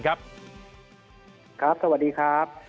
ครับสวัสดีครับ